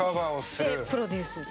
でプロデュースを。